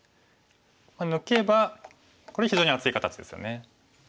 抜けばこれ非常に厚い形ですよね。